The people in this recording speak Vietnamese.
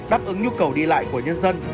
đáp ứng nhu cầu đi lại của nhân dân